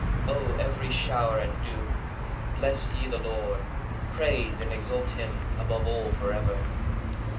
42 O every shower and dew, bless ye the Lord: praise and exalt him above all for ever.